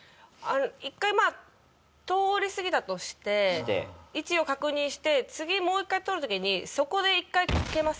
一回通り過ぎたとして位置を確認して次もう一回通る時にそこで一回コケます。